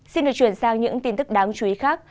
xin được chuyển sang những tin tức đáng chú ý khác